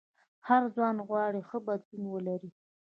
هر ځوان غواړي ښه بدن ولري.